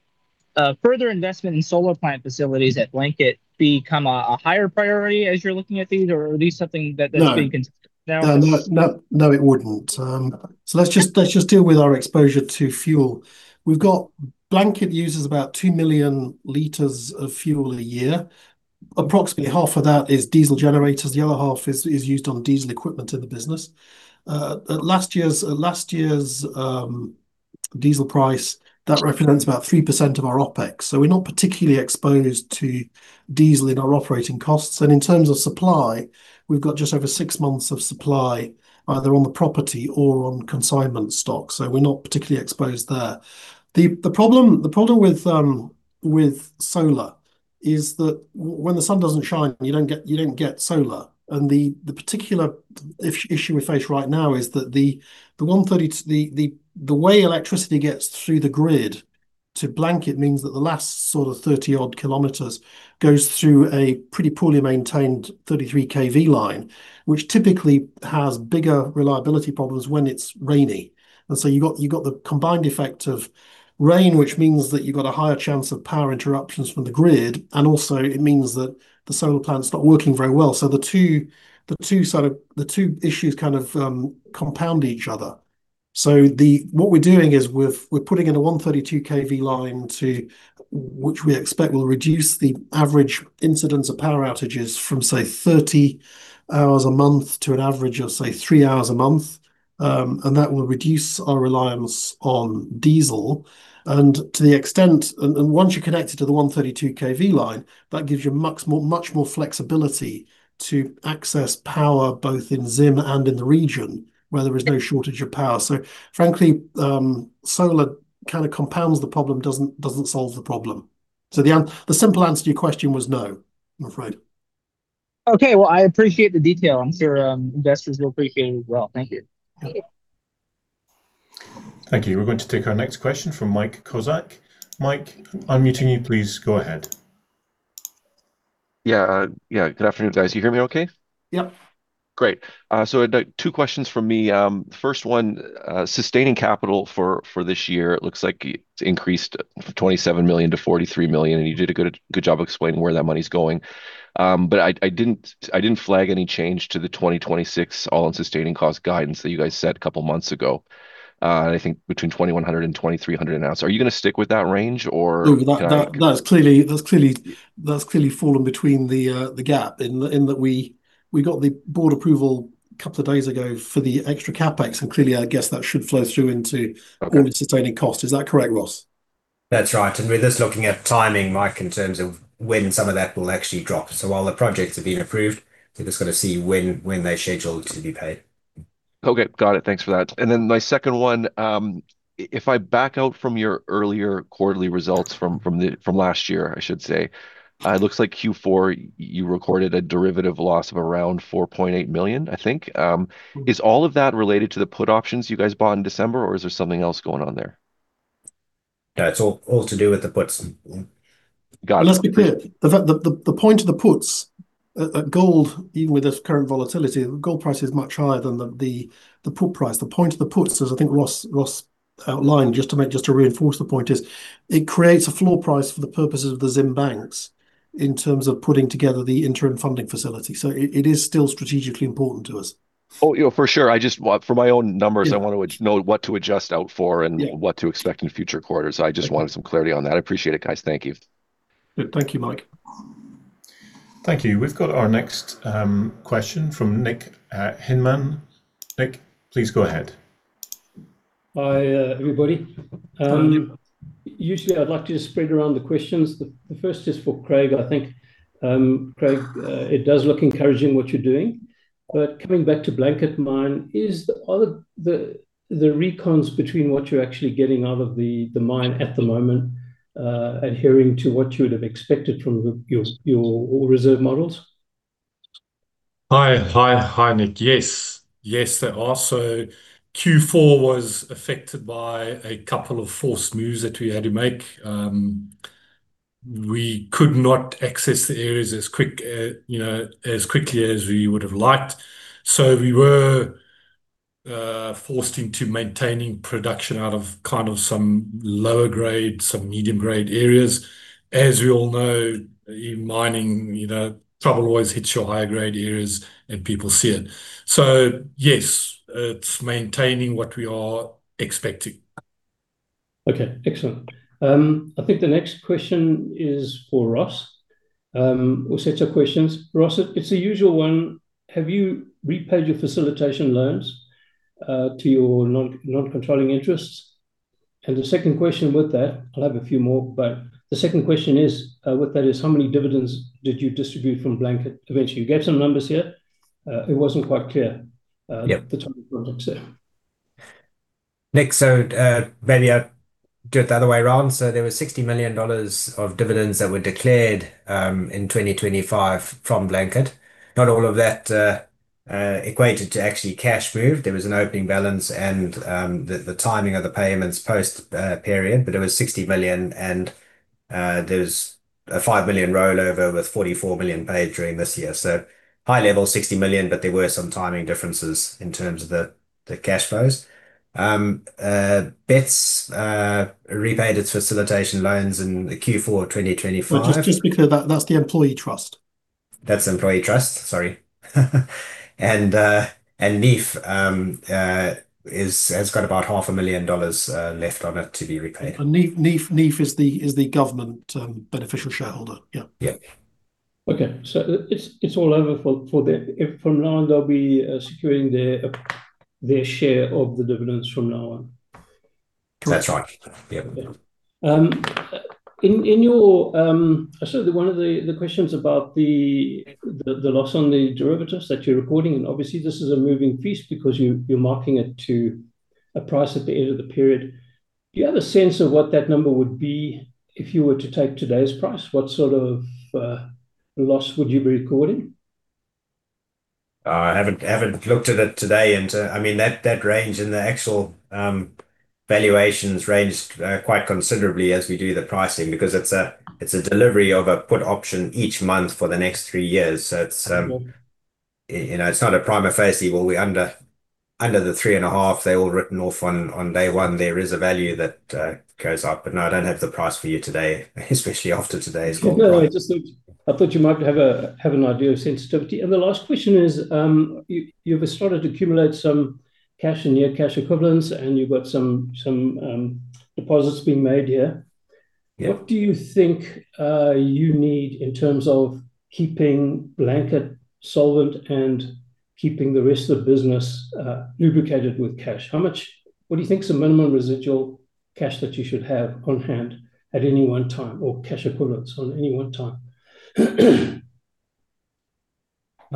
further investment in solar plant facilities at Blanket become a higher priority as you're looking at these? Or are these something that is being cons- No. No? No, no, it wouldn't. Let's just deal with our exposure to fuel. We've got Blanket uses about 2 million L of fuel a year. Approximately half of that is diesel generators. The other half is used on diesel equipment in the business. Last year's diesel price- Mm-hmm that represents about 3% of our OpEx, so we're not particularly exposed to diesel in our operating costs. In terms of supply, we've got just over six months of supply, either on the property or on consignment stock. We're not particularly exposed there. The problem with solar is that when the sun doesn't shine, you don't get solar, and the particular issue we face right now is that the way electricity gets through the grid to Blanket means that the last sort of 30-odd km goes through a pretty poorly maintained 33kV line, which typically has bigger reliability problems when it's rainy. You got the combined effect of rain, which means that you've got a higher chance of power interruptions from the grid, and also it means that the solar plant's not working very well. The two issues kind of compound each other. What we're doing is we're putting in a 132kV line which we expect will reduce the average incidents of power outages from, say, 30 hours a month to an average of, say, three hours a month. That will reduce our reliance on diesel. To the extent once you're connected to the 132kV line, that gives you much more flexibility to access power both in Zim and in the region where there is no shortage of power. Frankly, solar kind of compounds the problem, doesn't solve the problem. The simple answer to your question was no, I'm afraid. Okay. Well, I appreciate the detail. I'm sure investors will appreciate it as well. Thank you. Okay. Thank you. We're going to take our next question from Mike Kozak. Mike, unmuting you. Please go ahead. Yeah. Good afternoon, guys. You hear me okay? Yep. Great. Two questions from me. First one, sustaining capital for this year, it looks like it increased from $27 million-$43 million, and you did a good job explaining where that money's going. I didn't flag any change to the 2026 all-in sustaining cost guidance that you guys set a couple months ago. I think between $2,100-$2,300 an ounce. Are you gonna stick with that range or can I- Oh, that's clearly fallen between the gap in that we got the board approval a couple of days ago for the extra CapEx, and clearly, I guess that should flow through into. Okay all-in sustaining cost. Is that correct, Ross? That's right. We're just looking at timing, Mike, in terms of when some of that will actually drop. While the projects are being approved, we've just got to see when they're scheduled to be paid. Okay. Got it. Thanks for that. My second one, if I back out from your earlier quarterly results from last year, I should say, it looks like Q4 you recorded a derivative loss of around $4.8 million, I think. Mm-hmm. Is all of that related to the put options you guys bought in December or is there something else going on there? Yeah. It's all to do with the puts. Got it. Let's be clear, the point of the puts, gold, even with the current volatility, the gold price is much higher than the put price. The point of the puts, as I think Ross outlined, just to reinforce the point, is it creates a floor price for the purposes of the Zim banks in terms of putting together the interim funding facility. It is still strategically important to us.¿ Oh, you know, for sure. For my own numbers. Yeah I want to know what to adjust out for and. Yeah What to expect in future quarters. Okay. I just wanted some clarity on that. I appreciate it, guys. Thank you. Good. Thank you, Mike. Thank you. We've got our next question from Nick Hinman. Nick, please go ahead. Hi, everybody. Hello. Usually I'd like to spread around the questions. The first is for Craig, I think. Craig, it does look encouraging what you're doing, but coming back to Blanket Mine, is the other, the recons between what you're actually getting out of the mine at the moment, adhering to what you would have expected from your ore reserve models? Hi, Nick. Yes, they are. Q4 was affected by a couple of forced moves that we had to make. We could not access the areas as quickly as we would have liked. We were forced into maintaining production out of kind of some lower grade, some medium grade areas. As we all know, in mining, you know, trouble always hits your higher grade areas and people see it. Yes, it's maintaining what we are expecting. Okay, excellent. I think the next question is for Ross or sets of questions. Ross, it's the usual one. Have you repaid your facilitation loans to your non-controlling interests? I'll have a few more, but the second question with that is how many dividends did you distribute from Blanket? Eventually you get some numbers here. It wasn't quite clear. Yeah The type of projects there. Nick, maybe I'll do it the other way around. There was $60 million of dividends that were declared in 2025 from Blanket. Not all of that equated to actual cash move. There was an opening balance and the timing of the payments post period. But it was $60 million and there's a $5 million rollover with $44 million paid during this year. High-level $60 million, but there were some timing differences in terms of the cash flows. BETS repaid its facilitation loans in the Q4 2025. Just because that's the employee trust. That's employee trust, sorry. NIEEF has got about half a million dollars left on it to be repaid. NIEEF is the government beneficial shareholder. Yeah. Yeah. From now on they'll be securing their share of the dividends from now on. That's right. Yeah. One of the questions about the loss on the derivatives that you're recording, and obviously this is a moving piece because you're marking it to a price at the end of the period. Do you have a sense of what that number would be if you were to take today's price? What sort of loss would you be recording? I haven't looked at it today. I mean, that range and the actual valuations range quite considerably as we do the pricing because it's a delivery of a put option each month for the next three years. It's Mm-hmm you know, it's not a prima facie, well, we under the 3.5, they're all written off on day one. There is a value that goes up. No, I don't have the price for you today, especially after today's gold price. No, I just thought you might have an idea of sensitivity. The last question is, you've started to accumulate some cash and near cash equivalents and you've got some deposits being made here. Yeah. What do you think you need in terms of keeping Blanket solvent and keeping the rest of the business lubricated with cash? What do you think is the minimum residual cash that you should have on hand at any one time, or cash equivalents on any one time? I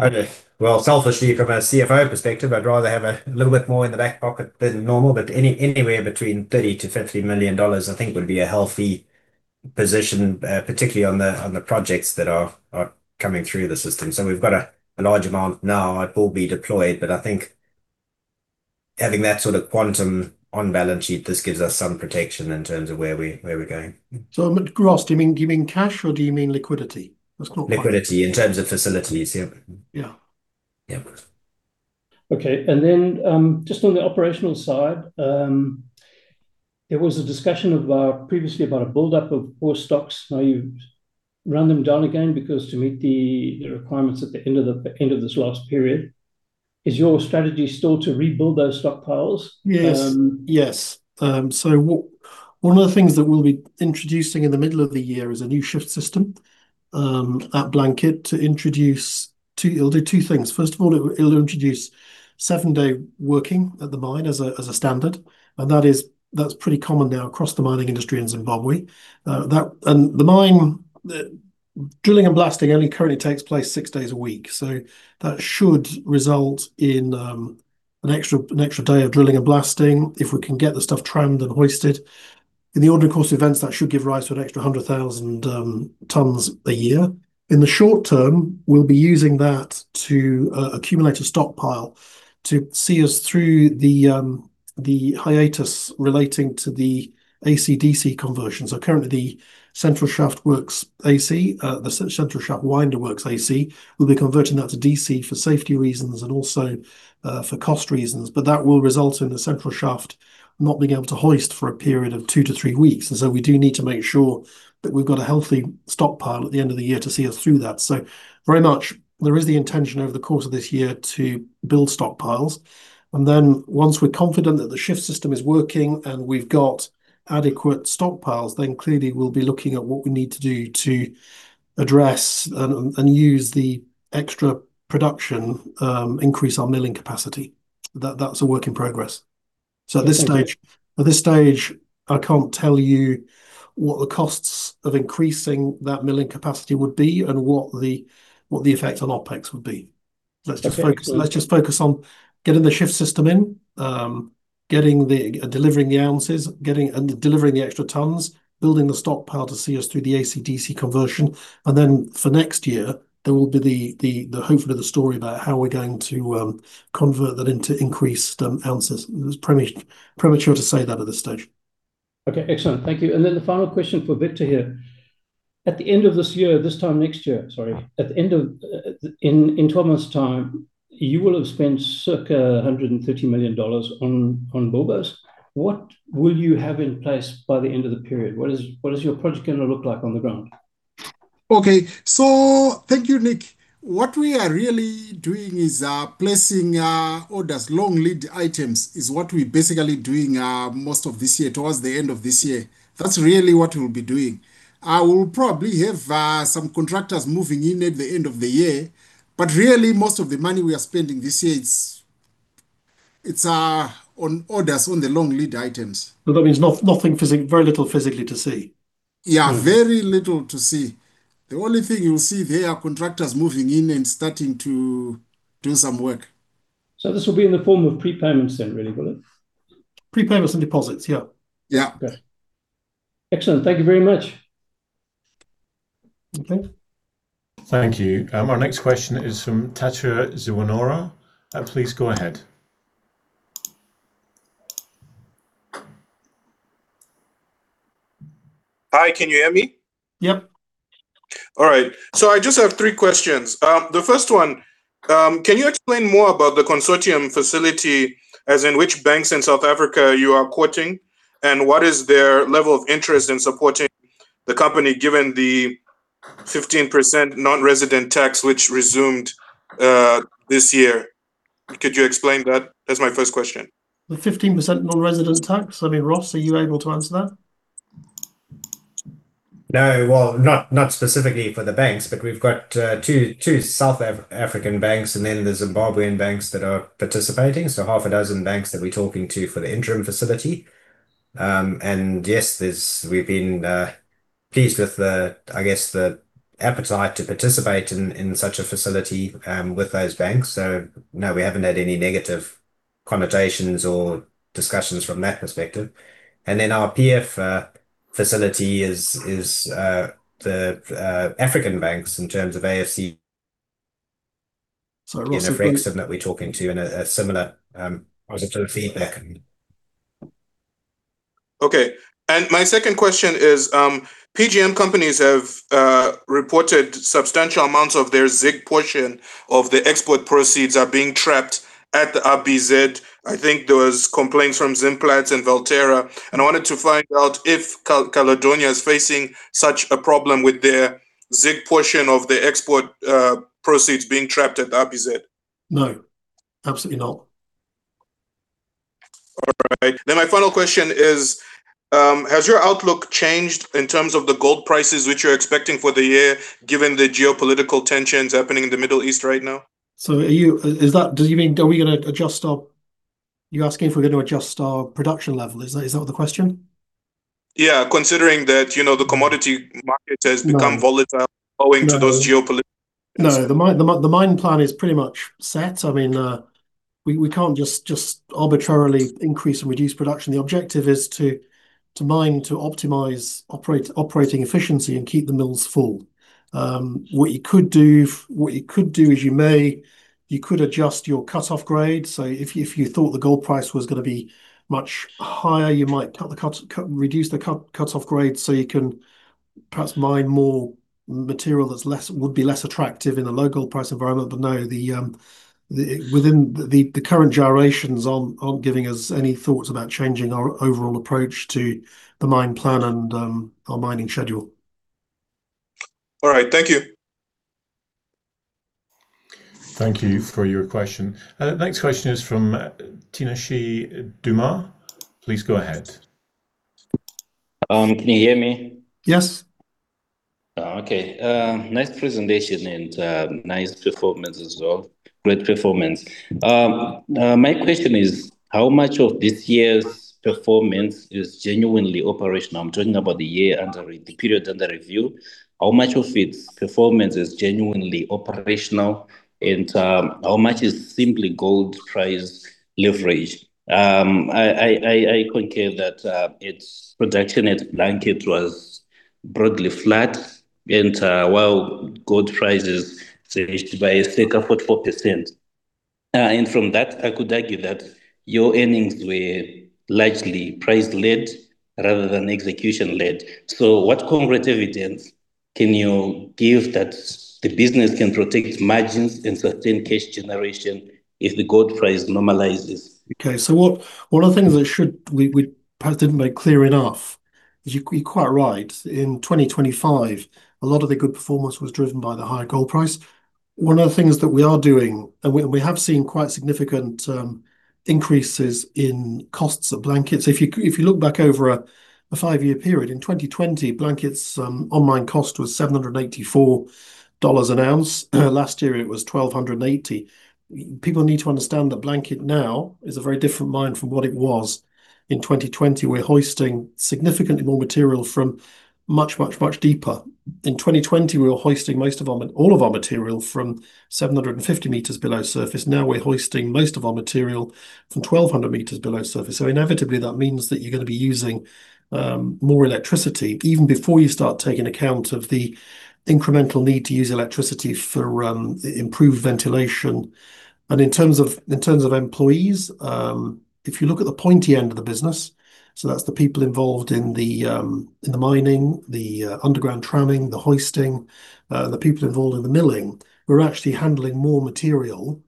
did. Well, selfishly, from a CFO perspective, I'd rather have a little bit more in the back pocket than normal. Anywhere between $30 million-$50 million I think would be a healthy position, particularly on the projects that are coming through the system. We've got a large amount now. It will be deployed. I think having that sort of quantum on balance sheet just gives us some protection in terms of where we're going. Ross, do you mean cash or do you mean liquidity? That's not quite- Liquidity in terms of facilities, yeah. Yeah. Yeah. Okay. Then, just on the operational side, there was a discussion previously about a buildup of ore stocks. Now you've run them down again because to meet the requirements at the end of this last period. Is your strategy still to rebuild those stockpiles? Yes. Yes. One of the things that we'll be introducing in the middle of the year is a new shift system at Blanket. It'll do two things. First of all, it'll introduce seven-day working at the mine as a standard, and that is pretty common now across the mining industry in Zimbabwe. That, and the drilling and blasting only currently takes place six days a week. That should result in an extra day of drilling and blasting if we can get the stuff trimmed and hoisted. In the ordinary course of events, that should give rise to an extra 100,000 tons a year. In the short term, we'll be using that to accumulate a stockpile to see us through the hiatus relating to the AC-DC conversion. Currently the central shaft works AC, the central shaft winder works AC. We'll be converting that to DC for safety reasons and also for cost reasons. That will result in the central shaft not being able to hoist for a period of two to three weeks. We do need to make sure that we've got a healthy stockpile at the end of the year to see us through that. Very much there is the intention over the course of this year to build stockpiles. Once we're confident that the shift system is working and we've got adequate stockpiles, then clearly we'll be looking at what we need to do to address and use the extra production, increase our milling capacity. That's a work in progress. At this stage. Okay At this stage, I can't tell you what the costs of increasing that milling capacity would be and what the effect on OpEx would be. Okay. Let's just focus on getting the shift system in, delivering the ounces, getting and delivering the extra tons, building the stockpile to see us through the AC-DC conversion. Then for next year, there will be the hopefully the story about how we're going to convert that into increased ounces. It's premature to say that at this stage. Okay, excellent. Thank you. The final question for Victor here. In 12 months time, you will have spent circa $130 million on Bilboes. What will you have in place by the end of the period? What is your project gonna look like on the ground? Okay. Thank you, Nick. What we are really doing is placing orders, long lead items is what we're basically doing most of this year, towards the end of this year. That's really what we'll be doing. We'll probably have some contractors moving in at the end of the year, but really most of the money we are spending this year it's on orders on the long lead items. That means very little physically to see? Yeah. Mm. Very little to see. The only thing you'll see there are contractors moving in and starting to do some work. This will be in the form of prepayments then really, will it? Prepayments and deposits, yeah. Yeah. Okay. Excellent. Thank you very much. Okay. Thank you. Our next question is from Tatenda Zewanora. Please go ahead. Hi, can you hear me? Yep. All right. I just have three questions. The first one, can you explain more about the consortium facility, as in which banks in South Africa you are quoting, and what is their level of interest in supporting the company given the 15% non-resident tax which resumed this year? Could you explain that? That's my first question. The 15% non-resident tax? I mean, Ross, are you able to answer that? No. Well, not specifically for the banks, but we've got two South African banks and then the Zimbabwean banks that are participating. Half a dozen banks that we're talking to for the interim facility. Yes, we've been pleased with the, I guess, the appetite to participate in such a facility with those banks. No, we haven't had any negative connotations or discussions from that perspective. Then our PF facility is the African banks in terms of AFC- Ross, if we- You know, Afreximbank that we're talking to in a similar positive feedback. Okay. My second question is, PGM companies have reported substantial amounts of their ZIG portion of the export proceeds are being trapped at the RBZ. I think there was complaints from Zimplats and Valterra, and I wanted to find out if Caledonia is facing such a problem with their ZIG portion of the export proceeds being trapped at the RBZ. No. Absolutely not. All right. My final question is, has your outlook changed in terms of the gold prices which you're expecting for the year given the geopolitical tensions happening in the Middle East right now? Are you asking if we're gonna adjust our production level? Is that the question? Yeah. Considering that, you know, the commodity market. No has become volatile. No. Owing to those geopolitical tensions. No. The mine plan is pretty much set. I mean, we can't just arbitrarily increase and reduce production. The objective is to mine, to optimize operating efficiency and keep the mills full. What you could do is you could adjust your cut-off grade. If you thought the gold price was gonna be much higher, you might reduce the cut-off grade so you can perhaps mine more material that would be less attractive in the low gold price environment. No, the current gyrations aren't giving us any thoughts about changing our overall approach to the mine plan and our mining schedule. All right. Thank you. Thank you for your question. Next question is from Tinashe Dumar. Please go ahead. Can you hear me? Yes. Oh, okay. Nice presentation and, nice performance as well. Great performance. My question is, how much of this year's performance is genuinely operational? I'm talking about the period under review. How much of its performance is genuinely operational and, how much is simply gold price leverage? I concur that its production at Blanket was broadly flat and while gold prices surged by 34.4%. From that, I could argue that your earnings were largely price-led rather than execution-led. What concrete evidence can you give that the business can protect margins and sustain cash generation if the gold price normalizes? Okay. One of the things we perhaps didn't make clear enough is you're quite right. In 2025, a lot of the good performance was driven by the high gold price. One of the things that we are doing, we have seen quite significant increases in costs at Blanket. If you look back over a five-year period, in 2020 Blanket's all-in sustaining cost was $784 an ounce. Last year it was $1,280. People need to understand that Blanket now is a very different mine from what it was in 2020. We're hoisting significantly more material from much deeper. In 2020 we were hoisting all of our material from 750 m below surface. Now we're hoisting most of our material from 1,200 m below surface. Inevitably that means that you're gonna be using more electricity even before you start taking account of the incremental need to use electricity for improved ventilation. In terms of employees, if you look at the pointy end of the business, that's the people involved in the mining, the underground tramming, the hoisting, the people involved in the milling, we're actually handling more material,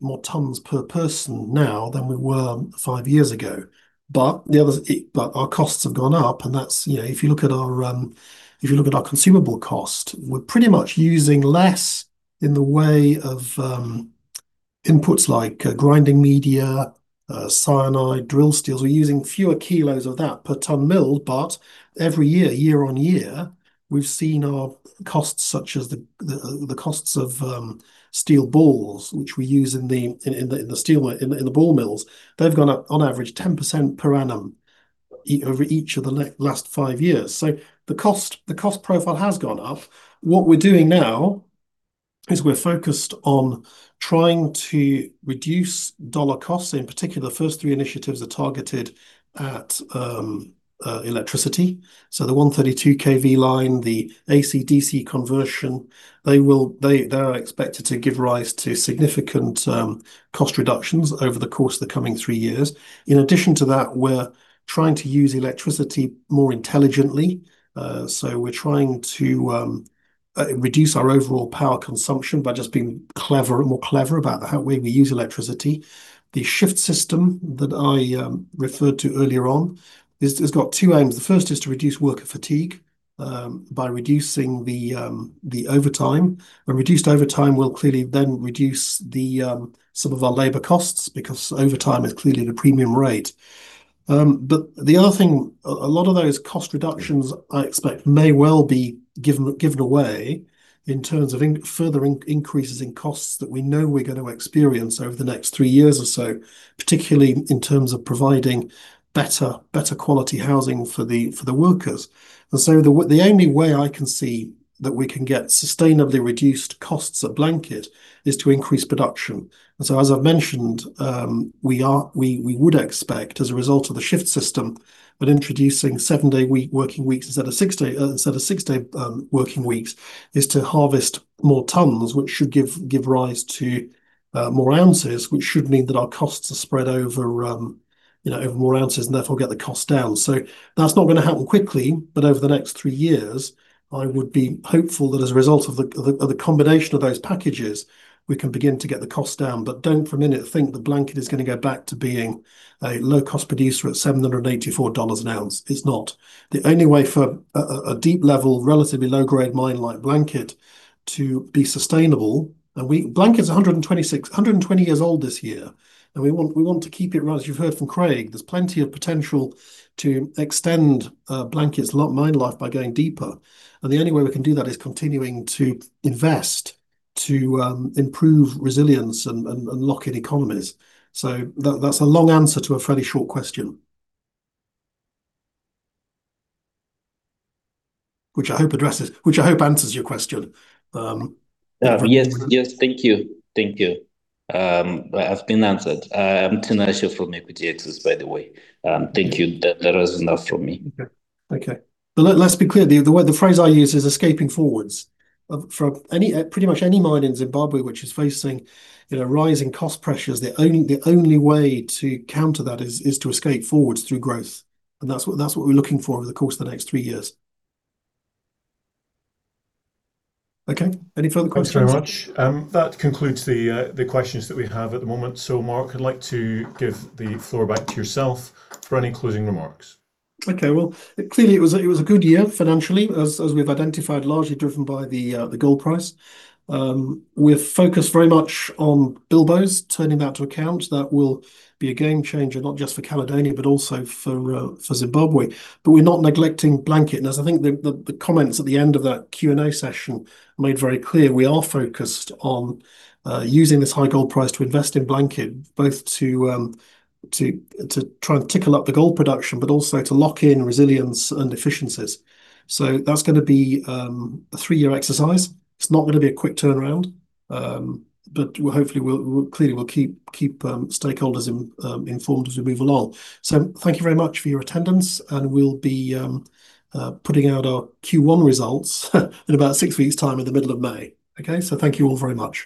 more tons per person now than we were five years ago. Our costs have gone up, and that's, you know, if you look at our consumable cost, we're pretty much using less in the way of inputs like grinding media, cyanide, drill steels. We're using fewer kilos of that per ton milled, but every year-on-year, we've seen our costs such as the costs of steel balls, which we use in the ball mills, they've gone up on average 10% per annum over each of the last five years. The cost profile has gone up. What we're doing now is we're focused on trying to reduce dollar costs. In particular, the first three initiatives are targeted at electricity. The 132kV line, the AC/DC conversion, they are expected to give rise to significant cost reductions over the course of the coming three years. In addition to that, we're trying to use electricity more intelligently. We're trying to reduce our overall power consumption by just being clever, more clever about how the way we use electricity. The shift system that I referred to earlier on has got two aims. The first is to reduce worker fatigue by reducing the overtime. A reduced overtime will clearly then reduce some of our labor costs because overtime is clearly the premium rate. The other thing, a lot of those cost reductions I expect may well be given away in terms of further increases in costs that we know we're going to experience over the next three years or so, particularly in terms of providing better quality housing for the workers. The only way I can see that we can get sustainably reduced costs at Blanket is to increase production. As I've mentioned, we would expect as a result of the shift system that introducing seven-day week working weeks instead of six-day working weeks is to harvest more tons, which should give rise to more ounces, which should mean that our costs are spread over you know over more ounces and therefore get the cost down. That's not gonna happen quickly, but over the next three years I would be hopeful that as a result of the combination of those packages, we can begin to get the cost down. Don't for a minute think that Blanket is gonna go back to being a low-cost producer at $784 an oz. It's not. The only way for a deep level, relatively low-grade mine like Blanket to be sustainable. Blanket's 126 years old this year, and we want to keep it running. As you've heard from Craig, there's plenty of potential to extend Blanket's mine life by going deeper, and the only way we can do that is continuing to invest to improve resilience and lock in economies. That's a long answer to a fairly short question. Which I hope answers your question. Yes. Thank you. I have been answered. I am Tinashe from Equity Axis, by the way. Thank you. That is enough for me. Okay. Let's be clear. The word, the phrase I used is escaping forwards. From pretty much any mine in Zimbabwe which is facing, you know, rising cost pressures, the only way to counter that is to escape forwards through growth, and that's what we're looking for over the course of the next three years. Okay. Any further questions? Thank you very much. That concludes the questions that we have at the moment. Mark, I'd like to give the floor back to yourself for any closing remarks. Okay. Well, clearly it was a good year financially as we've identified, largely driven by the gold price. We're focused very much on Bilboes, turning that to account. That will be a game changer, not just for Caledonia, but also for Zimbabwe. We're not neglecting Blanket. As I think the comments at the end of that Q&A session made very clear, we are focused on using this high gold price to invest in Blanket both to try and tickle up the gold production, but also to lock in resilience and efficiencies. That's gonna be a three-year exercise. It's not gonna be a quick turnaround. Hopefully we'll clearly keep stakeholders informed as we move along. Thank you very much for your attendance, and we'll be putting out our Q1 results in about six weeks' time in the middle of May. Okay? Thank you all very much.